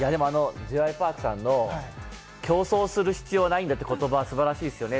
Ｊ．Ｙ．Ｐａｒｋさんの競争する必要がないんだという言葉は素晴らしいですよね。